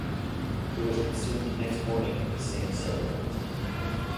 It was consumed next morning with the same ceremonies.